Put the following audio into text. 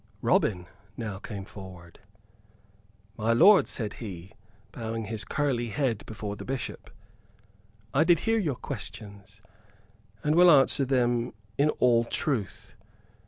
Robin now came forward. "My lord," said he, bowing his curly head before the Bishop, "I did hear your questions, and will answer them in all truth.